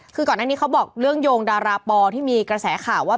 คือก่อนหน้านี้เขาบอกเรื่องโยงดาราปอที่มีกระแสข่าวว่า